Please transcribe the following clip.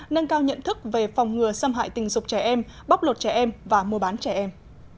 nâng cao nhận thức về phòng ngừa xâm hại tình dục trẻ em bóc lột trẻ em và mua bán trẻ em